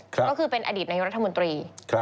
ก็คือเป็นอดีตนายกรัฐมนตรี